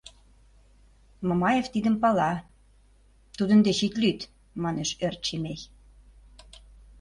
— Мамаев тидым пала, тудын деч ит лӱд, — манеш Ӧрчемей.